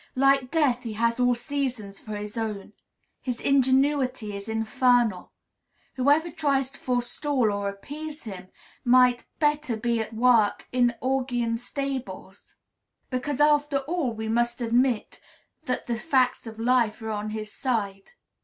Like death, he has all seasons for his own; his ingenuity is infernal. Whoever tries to forestall or appease him might better be at work in Augean stables; because, after all, we must admit that the facts of life are on his side.